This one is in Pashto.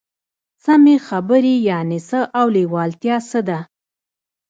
سمې خبرې يانې څه او لېوالتيا څه ده؟